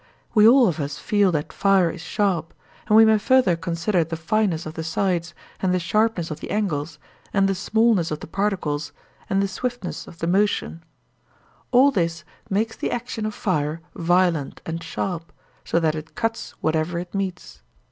We all of us feel that fire is sharp; and we may further consider the fineness of the sides, and the sharpness of the angles, and the smallness of the particles, and the swiftness of the motion—all this makes the action of fire violent and sharp, so that it cuts whatever it meets.